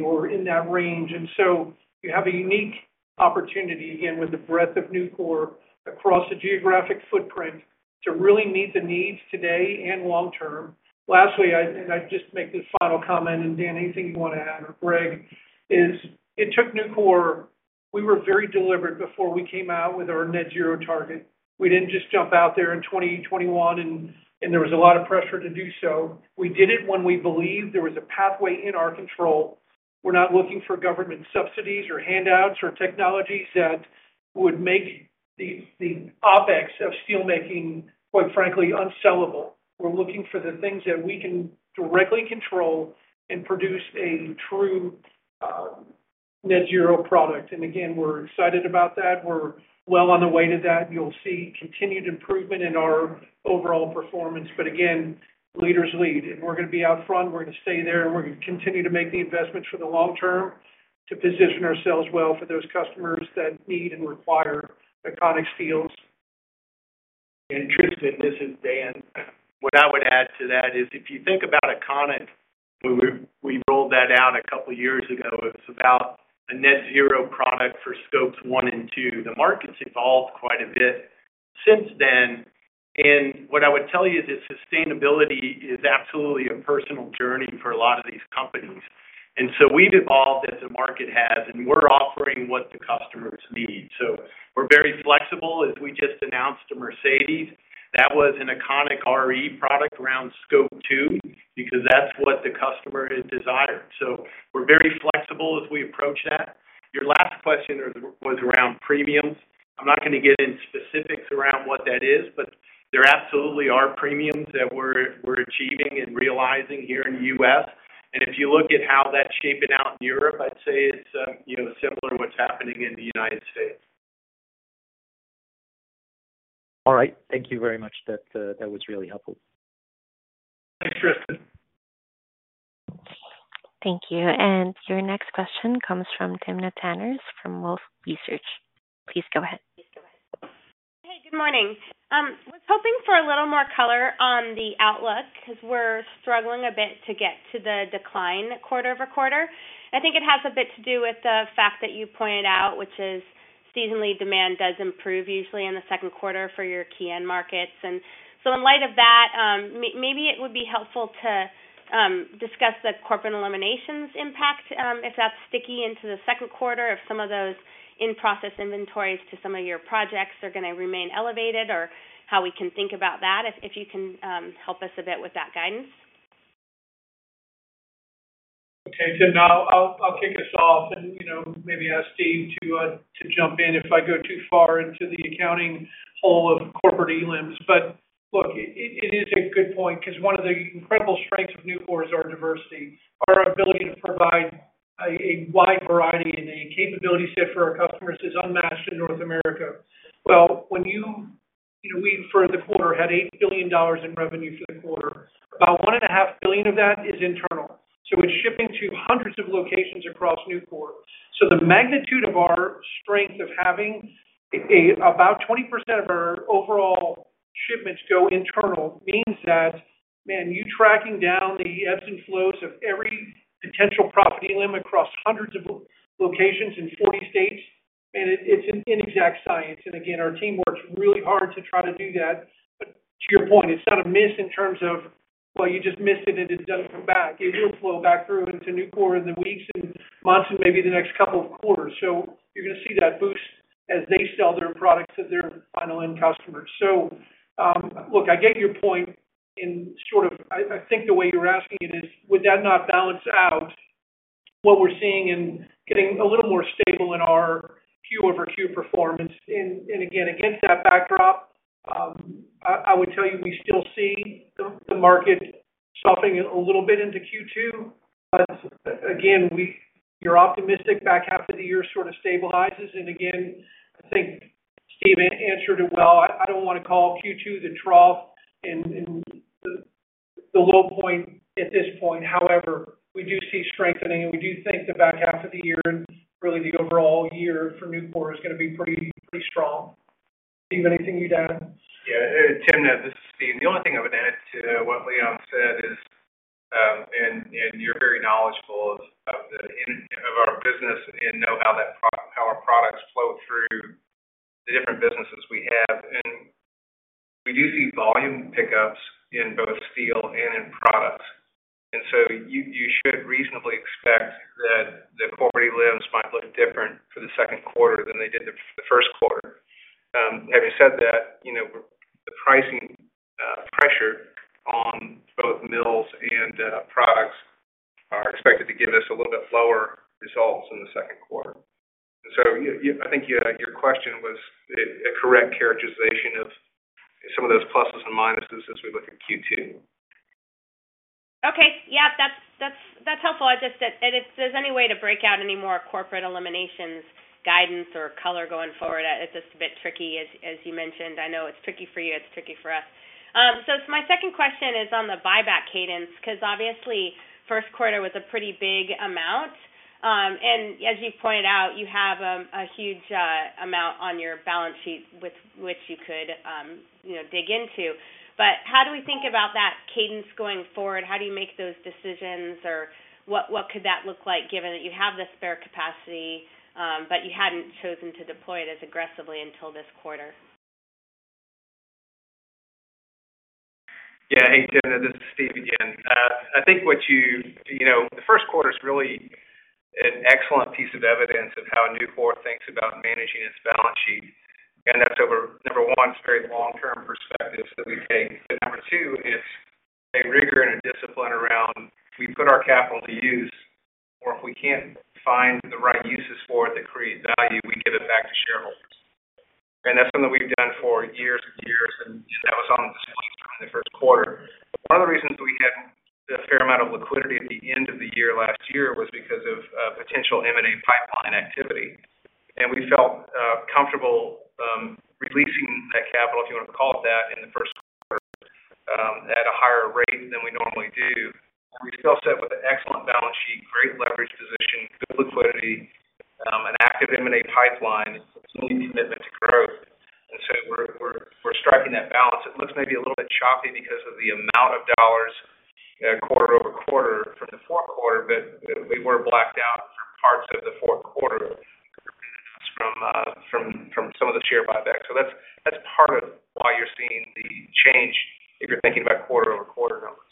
S2: or in that range. So you have a unique opportunity, again, with the breadth of Nucor across the geographic footprint to really meet the needs today and long term. Lastly, I'd just make this final comment, and Dan, anything you want to add, or Greg? It took Nucor we were very deliberate before we came out with our net-zero target. We didn't just jump out there in 2021, and there was a lot of pressure to do so. We did it when we believed there was a pathway in our control. We're not looking for government subsidies or handouts or technologies that would make the OpEx of steelmaking, quite frankly, unsellable. We're looking for the things that we can directly control and produce a true net-zero product. And again, we're excited about that. We're well on the way to that. You'll see continued improvement in our overall performance. But again, leaders lead. And we're going to be out front. We're going to stay there, and we're going to continue to make the investments for the long term to position ourselves well for those customers that need and require Econiq steels.
S14: Tristan, this is Dan. What I would add to that is if you think about Econiq, we rolled that out a couple of years ago. It was about a net-zero product for Scopes 1 and 2. The market's evolved quite a bit since then. What I would tell you is that sustainability is absolutely a personal journey for a lot of these companies. We've evolved as the market has, and we're offering what the customers need. We're very flexible. As we just announced a Mercedes, that was an Econiq RE product around Scope 2 because that's what the customer had desired. We're very flexible as we approach that. Your last question was around premiums. I'm not going to get into specifics around what that is, but there absolutely are premiums that we're achieving and realizing here in the U.S. If you look at how that's shaping out in Europe, I'd say it's similar to what's happening in the United States.
S12: All right. Thank you very much. That was really helpful.
S2: Thanks, Tristan.
S4: Thank you. And your next question comes from Timna Tanners from Wolfe Research. Please go ahead.
S15: Hey. Good morning. I was hoping for a little more color on the outlook because we're struggling a bit to get to the decline quarter-over-quarter. I think it has a bit to do with the fact that you pointed out, which is seasonal demand does improve usually in the second quarter for your key end markets. And so in light of that, maybe it would be helpful to discuss the corporate eliminations impact if that's sticky into the second quarter, if some of those in-process inventories to some of your projects are going to remain elevated, or how we can think about that, if you can help us a bit with that guidance.
S2: Okay, Timna, I'll kick us off and maybe ask Steve to jump in if I go too far into the accounting hole of corporate elims. But look, it is a good point because one of the incredible strengths of Nucor is our diversity, our ability to provide a wide variety and a capability set for our customers is unmatched in North America. Well, when we, for the quarter, had $8 billion in revenue for the quarter. About $1.5 billion of that is internal. So it's shipping to hundreds of locations across Nucor. So the magnitude of our strength of having about 20% of our overall shipments go internal means that, man, you tracking down the ebbs and flows of every potential profit elim across hundreds of locations in 40 states, man, it's an inexact science. And again, our team works really hard to try to do that. But to your point, it's not a miss in terms of, "Well, you just missed it, and it doesn't come back." It will flow back through into Nucor in the weeks and months and maybe the next couple of quarters. So you're going to see that boost as they sell their products to their final end customers. So look, I get your point in sort of I think the way you're asking it is, would that not balance out what we're seeing in getting a little more stable in our QoQ performance? And again, against that backdrop, I would tell you we still see the market softening a little bit into Q2. But again, you're optimistic back half of the year sort of stabilizes. And again, I think Steve answered it well. I don't want to call Q2 the trough and the low point at this point. However, we do see strengthening, and we do think the back half of the year and really the overall year for Nucor is going to be pretty strong. Steve, anything you'd add?
S3: Yeah. Timna, this is Steve. The only thing I would add to what Leon said is, and you're very knowledgeable of our business and know how our products flow through the different businesses we have. And we do see volume pickups in both steel and in products. And so you should reasonably expect that the corporate EBITDA might look different for the second quarter than they did for the first quarter. Having said that, the pricing pressure on both mills and products are expected to give us a little bit lower results in the second quarter. And so I think your question was a correct characterization of some of those pluses and minuses as we look at Q2.
S15: Okay. Yeah. That's helpful. And if there's any way to break out any more corporate eliminations guidance or color going forward, it's just a bit tricky, as you mentioned. I know it's tricky for you. It's tricky for us. So my second question is on the buyback cadence because obviously, first quarter was a pretty big amount. And as you've pointed out, you have a huge amount on your balance sheet with which you could dig into. But how do we think about that cadence going forward? How do you make those decisions, or what could that look like given that you have the spare capacity but you hadn't chosen to deploy it as aggressively until this quarter?
S3: Yeah. Hey, Timna. This is Steve again. I think what you saw in the first quarter is really an excellent piece of evidence of how Nucor thinks about managing its balance sheet. And that's number one, it's the very long-term perspective that we take. But number two, it's a rigor and a discipline around if we put our capital to use, or if we can't find the right uses for it that create value, we give it back to shareholders. And that's something we've done for years and years, and that was on display in the first quarter. One of the reasons we had a fair amount of liquidity at the end of the year last year was because of potential M&A pipeline activity. And we felt comfortable releasing that capital, if you want to call it that, in the first quarter at a higher rate than we normally do. We still sit with an excellent balance sheet, great leverage position, good liquidity, an active M&A pipeline, and continued commitment to growth. And so we're striking that balance. It looks maybe a little bit choppy because of the amount of dollars quarter-over-quarter from the fourth quarter, but we were blacked out for parts of the fourth quarter from some of the share buyback. So that's part of why you're seeing the change if you're thinking about quarter-over-quarter numbers.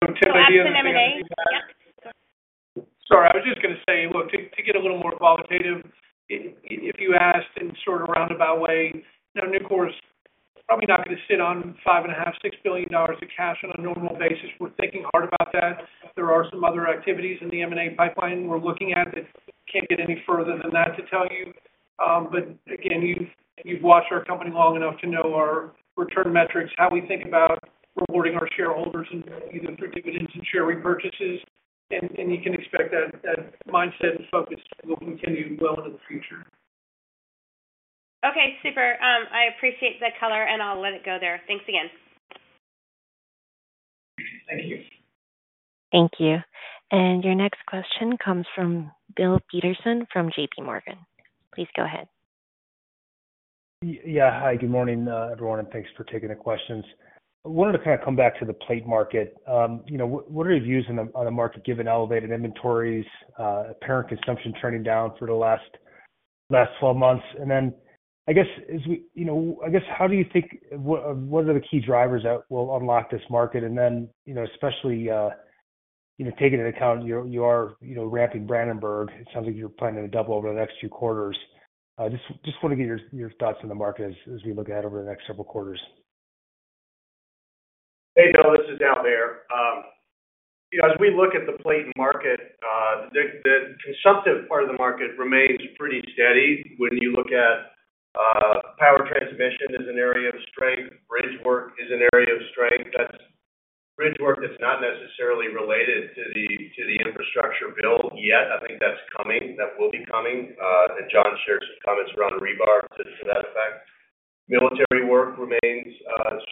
S2: Timna, any ideas?
S15: Yeah.
S2: Sorry. I was just going to say, look, to get a little more qualitative, if you asked in sort of roundabout way, Nucor's probably not going to sit on $5.5 billion-$6 billion of cash on a normal basis. We're thinking hard about that. There are some other activities in the M&A pipeline we're looking at that can't get any further than that to tell you. But again, you've watched our company long enough to know our return metrics, how we think about rewarding our shareholders either through dividends and share repurchases. You can expect that mindset and focus will continue well into the future.
S15: Okay. Super. I appreciate the color, and I'll let it go there. Thanks again.
S2: Thank you.
S4: Thank you. And your next question comes from Bill Peterson from J.P. Morgan. Please go ahead.
S16: Yeah. Hi. Good morning, everyone, and thanks for taking the questions. I wanted to kind of come back to the plate market. What are your views on the market given elevated inventories, apparent consumption trending down for the last 12 months? And then I guess how do you think what are the key drivers that will unlock this market? And then especially taking into account you are ramping Brandenburg. It sounds like you're planning to double over the next few quarters. I just want to get your thoughts on the market as we look ahead over the next several quarters.
S11: Hey, Bill. This is Al Behr. As we look at the plate market, the consumptive part of the market remains pretty steady. When you look at power transmission as an area of strength, bridgework is an area of strength. That's bridgework that's not necessarily related to the infrastructure build yet. I think that's coming. That will be coming. And John shared some comments around rebar to that effect. Military work remains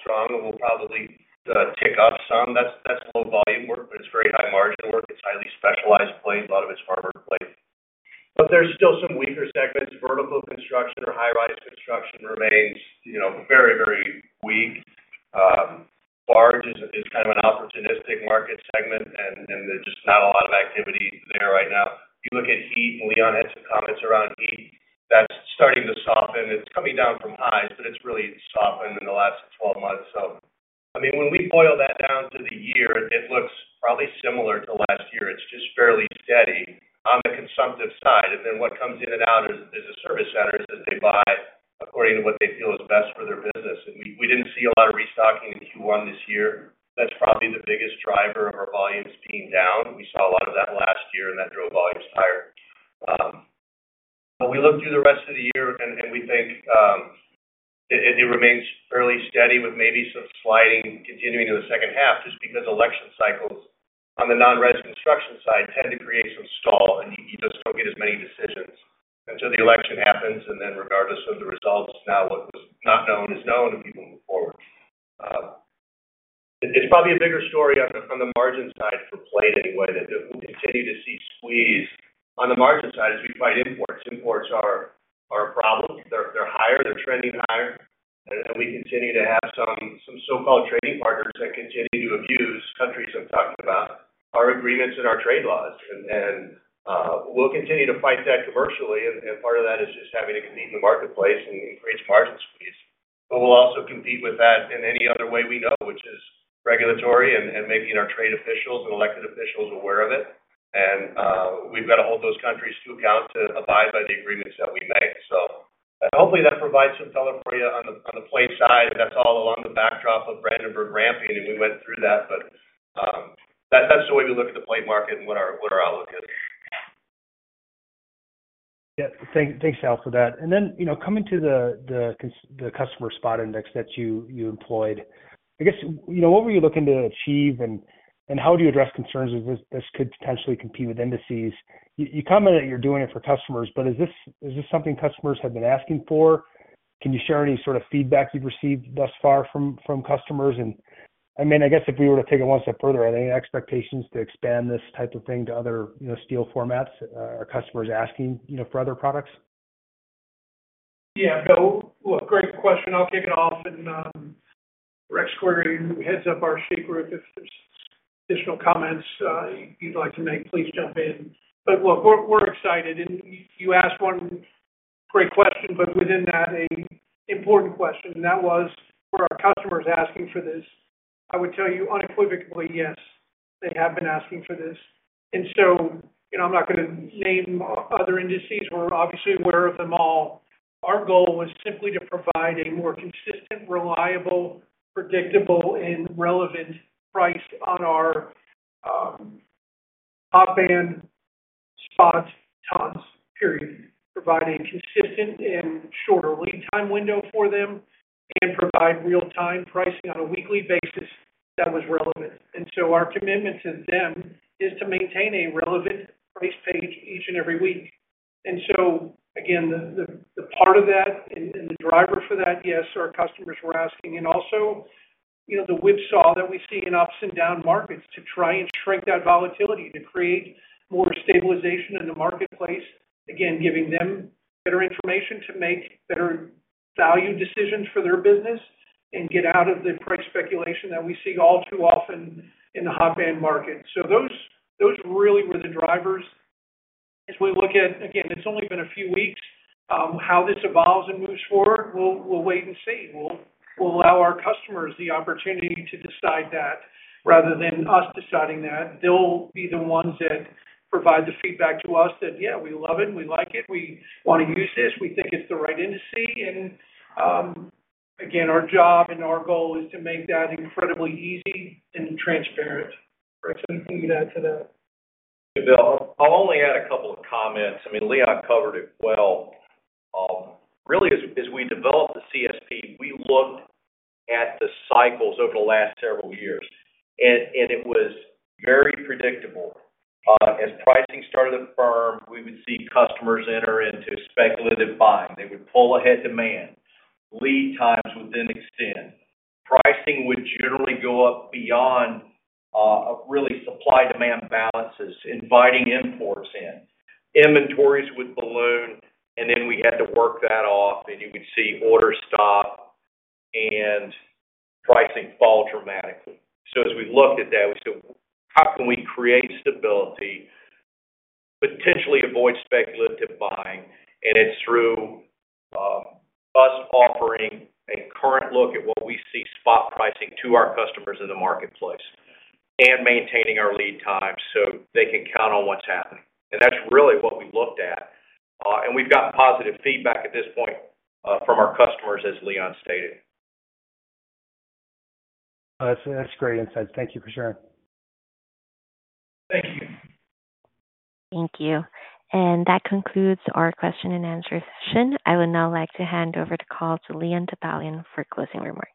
S11: strong and will probably tick up some. That's low-volume work, but it's very high-margin work. It's highly specialized plate. A lot of it's armor plate. But there's still some weaker segments. Vertical construction or high-rise construction remains very, very weak. Barge is kind of an opportunistic market segment, and there's just not a lot of activity there right now. If you look at H.E., and Leon had some comments around H.E., that's starting to soften. It's coming down from highs, but it's really softened in the last 12 months. So I mean, when we boil that down to the year, it looks probably similar to last year. It's just fairly steady on the consumptive side. And then what comes in and out as a service centers as they buy according to what they feel is best for their business. And we didn't see a lot of restocking in Q1 this year. That's probably the biggest driver of our volumes being down. We saw a lot of that last year, and that drove volumes higher. But we look through the rest of the year, and we think it remains fairly steady with maybe some sliding continuing in the second half just because election cycles on the non-res construction side tend to create some stall, and you just don't get as many decisions until the election happens. And then regardless of the results, now what was not known is known if people move forward. It's probably a bigger story on the margin side for plate anyway that we'll continue to see squeeze. On the margin side, as we fight imports, imports are a problem. They're higher. They're trending higher. And we continue to have some so-called trading partners that continue to abuse countries I'm talking about our agreements and our trade laws. And we'll continue to fight that commercially. And part of that is just having to compete in the marketplace and create margin squeeze. But we'll also compete with that in any other way we know, which is regulatory and making our trade officials and elected officials aware of it. And we've got to hold those countries to account to abide by the agreements that we make. So hopefully, that provides some color for you on the plate side. And that's all along the backdrop of Brandenburg ramping, and we went through that. But that's the way we look at the plate market and what our outlook is.
S16: Yeah. Thanks, Al, for that. And then coming to the customer spot index that you employed, I guess what were you looking to achieve, and how do you address concerns that this could potentially compete with indices? You commented that you're doing it for customers, but is this something customers have been asking for? Can you share any sort of feedback you've received thus far from customers? And I mean, I guess if we were to take it one step further, are there any expectations to expand this type of thing to other steel formats? Are customers asking for other products?
S2: Yeah. No. Look, great question. I'll kick it off. And Rex Query heads up our sheet group. If there's additional comments you'd like to make, please jump in. But look, we're excited. And you asked one great question, but within that, an important question. And that was, were our customers asking for this? I would tell you unequivocally, yes. They have been asking for this. And so I'm not going to name other indices. We're obviously aware of them all. Our goal was simply to provide a more consistent, reliable, predictable, and relevant price on our hot band spot tons, period, provide a consistent and shorter lead time window for them, and provide real-time pricing on a weekly basis that was relevant. And so our commitment to them is to maintain a relevant price page each and every week. And so again, the part of that and the driver for that, yes, our customers were asking. And also the whipsaw that we see in ups and down markets to try and shrink that volatility to create more stabilization in the marketplace, again, giving them better information to make better value decisions for their business and get out of the price speculation that we see all too often in the hot band market. So those really were the drivers. As we look at again, it's only been a few weeks. How this evolves and moves forward, we'll wait and see. We'll allow our customers the opportunity to decide that rather than us deciding that. They'll be the ones that provide the feedback to us that, "Yeah, we love it. We like it. We want to use this. We think it's the right index." Again, our job and our goal is to make that incredibly easy and transparent. Rex, anything you'd add to that?
S17: Yeah, Bill. I'll only add a couple of comments. I mean, Leon covered it well. Really, as we developed the CSP, we looked at the cycles over the last several years. And it was very predictable. As pricing started to firm, we would see customers enter into speculative buying. They would pull ahead demand. Lead times would then extend. Pricing would generally go up beyond really supply-demand balances, inviting imports in. Inventories would balloon, and then we had to work that off. And you would see orders stop, and pricing fall dramatically. So as we looked at that, we said, "How can we create stability, potentially avoid speculative buying?" And it's through us offering a current look at what we see spot pricing to our customers in the marketplace and maintaining our lead time so they can count on what's happening. And that's really what we looked at. We've gotten positive feedback at this point from our customers, as Leon stated.
S16: That's great insights. Thank you for sharing.
S2: Thank you.
S4: Thank you. That concludes our question-and-answer session. I would now like to hand over the call to Leon Topalian for closing remarks.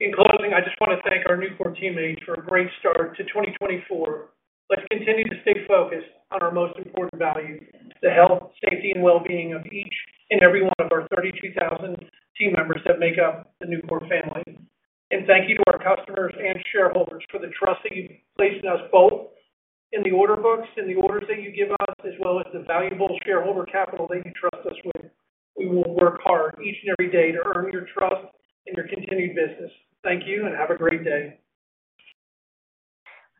S2: In closing, I just want to thank our Nucor teammates for a great start to 2024. Let's continue to stay focused on our most important values, the health, safety, and well-being of each and every one of our 32,000 team members that make up the Nucor family. Thank you to our customers and shareholders for the trust that you've placed in us both in the order books and the orders that you give us, as well as the valuable shareholder capital that you trust us with. We will work hard each and every day to earn your trust and your continued business. Thank you, and have a great day.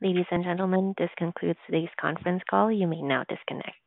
S4: Ladies and gentlemen, this concludes today's conference call. You may now disconnect.